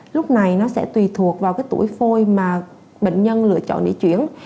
lúc này nó sẽ tùy thuộc vào cái tuổi phôi mà bệnh nhân lựa chọn để chuyển